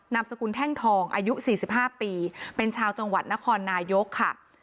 สกุลแท่งทองอายุ๔๕ปีเป็นชาวจังหวัดนครนายกค่ะ